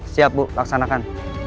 siap bu laksanakan